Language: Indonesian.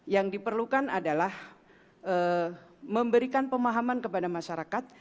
yang diperlukan adalah memberikan pemahaman kepada masyarakat